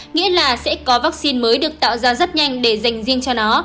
nghĩa là sẽ có vaccine mới được tạo ra rất nhanh để dành riêng cho nó